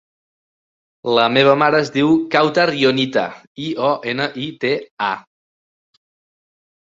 La meva mare es diu Kawtar Ionita: i, o, ena, i, te, a.